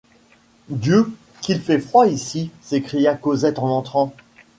Dieu! qu’il fait froid ici ! s’écria Cosette en entrant.